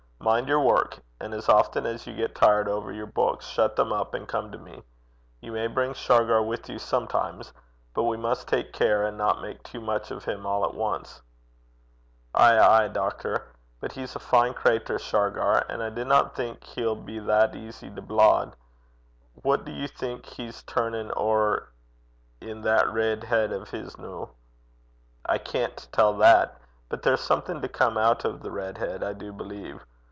Mind your work; and as often as you get tired over your books, shut them up and come to me. You may bring Shargar with you sometimes, but we must take care and not make too much of him all at once.' 'Ay, ay, doctor. But he's a fine crater, Shargar, an' I dinna think he'll be that easy to blaud. What do you think he's turnin' ower i' that reid heid o' his noo?' 'I can't tell that. But there's something to come out of the red head, I do believe.